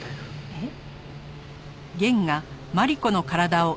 えっ？